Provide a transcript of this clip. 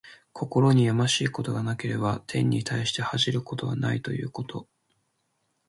心にやましいことがなければ、天に対して恥じることはないということ。